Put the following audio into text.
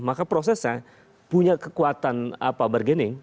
maka prosesnya punya kekuatan bergening